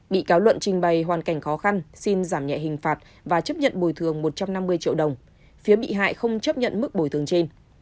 bị cáo luận trình bày hoàn cảnh khó khăn xin giảm nhẹ hình phạt và chấp nhận bồi thường một trăm năm mươi triệu đồng phía bị hại không chấp nhận mức bồi thường trên